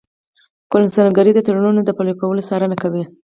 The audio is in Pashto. قونسلګرۍ د تړونونو د پلي کولو څارنه کوي